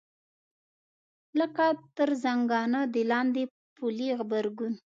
لکه تر زنګانه د لاندې پلې غبرګون.